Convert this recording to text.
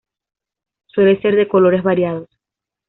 Suele ser de colores variados.